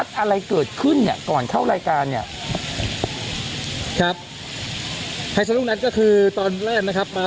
ทางกลุ่มมวลชนทะลุฟ้าทางกลุ่มมวลชนทะลุฟ้า